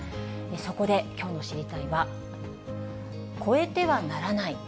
そこできょうの知りたい！は、越えてはならない。